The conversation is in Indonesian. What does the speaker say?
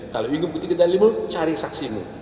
kalau ingin buktikan dalilmu cari saksimu